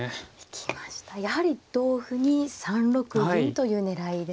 やはり同歩に３六銀という狙いですね。